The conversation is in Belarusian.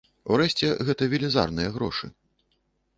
Урэшце, гэта велізарныя грошы.